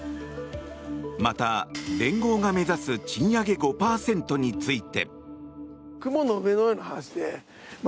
また、連合が目指す賃上げ５％について。